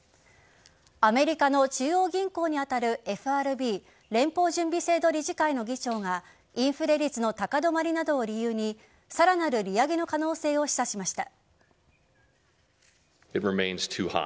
アメリカの中央銀行に当たるＦＲＢ＝連邦準備制度理事会の議長がインフレ率の高止まりなどを理由にさらなる利上げの可能性を示唆しました。